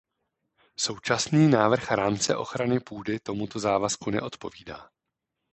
Současný návrh rámce ochrany půdy tomuto závazku neodpovídá.